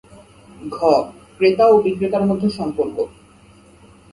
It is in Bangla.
ঘ. ক্রেতা ও বিক্রেতার মধ্যে সম্পর্ক